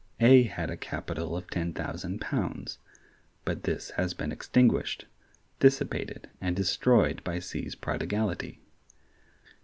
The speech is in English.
A had a capital of ten thousand pounds, but this has been extinguished—dissipated and destroyed by C's prodigality.